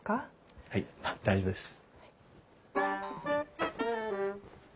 はい大丈夫です。